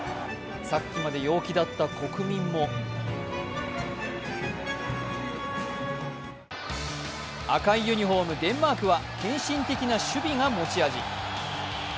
さっきまで陽気だった国民も赤いユニフォーム、デンマークは献身的な守備が持ち味。